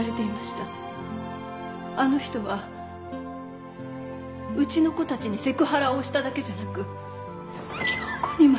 あの人はうちの子たちにセクハラをしただけじゃなく恭子にまで。